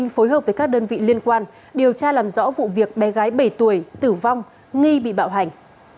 phối hợp với các đơn vị liên quan điều tra làm rõ vụ việc bé gái bảy tuổi tử vong nghi bị bạo hành